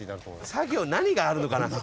作業何があるのかな？